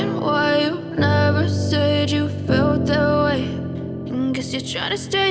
kan aku udah audisi